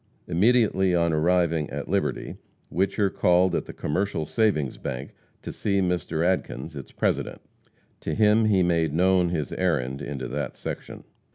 Immediately on arriving at Liberty, Whicher called at the Commercial Savings Bank to see Mr. Adkins, its president. To him he made known his errand into that section.